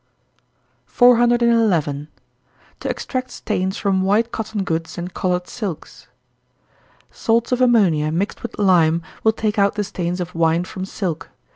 411. To extract Stains from White Cotton Goods and Colored Silks. Salts of ammonia, mixed with lime, will take out the stains of wine from silk.